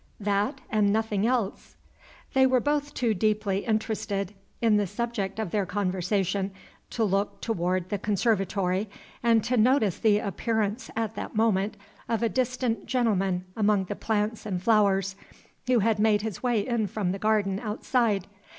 "That, and nothing else." They were both too deeply interested in the subject of their conversation to look toward the conservatory, and to notice the appearance at that moment of a distant gentleman among the plants and flowers, who had made his way in from the garden outside.